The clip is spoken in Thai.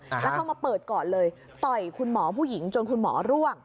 แล้วเข้ามาเปิดก่อนเลยต่อยคุณหมอผู้หญิงจนคุณหมอร่วง